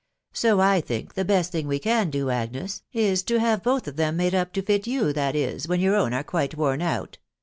So, I think the best thing we can do, Agnes, is to have both of them made up to fit you, that is, when your own are quite worn out